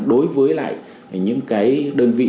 đối với lại những cái đơn vị